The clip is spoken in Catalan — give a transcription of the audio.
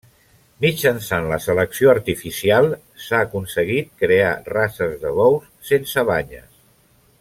Mitjançant la selecció artificial s'ha aconseguit crear races de bous sense banyes.